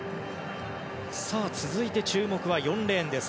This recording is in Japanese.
さあ、続いて注目は４レーンです。